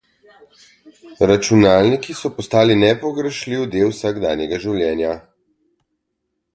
Računalniki so postali nepogrešljiv del vsakdanjega življenja.